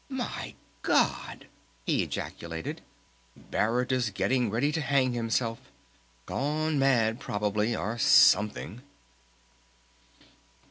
"My God!" he ejaculated, "Barrett is getting ready to hang himself! Gone mad probably or something!"